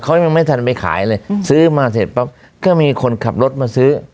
เขายังไม่ทันไปขายเลยซื้อมาเสร็จปั๊บก็มีคนขับรถมาซื้อ